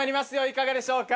いかがでしょうか。